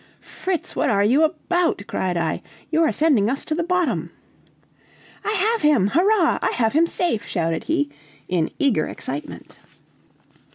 "Fritz, what are you about?" cried I, "you are sending us to the bottom." "I have him, hurrah! I have him safe!" shouted he, in eager excitement.